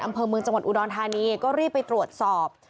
อำเภอเมืองจังหวัดอุดรธานีก็รีบไปตรวจสอบ